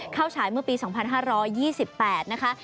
ฉายเมื่อปี๒๕๒๘นะคะ